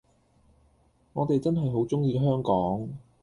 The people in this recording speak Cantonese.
我哋真係好鍾意香港